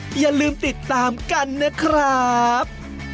อย่าลืมติดตามกันนะครับ